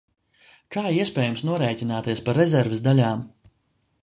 Kā iespējams norēķināties par rezerves daļām?